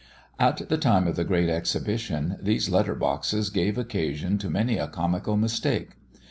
At the time of the great Exhibition, these letter boxes gave occasion to many a comical mistake.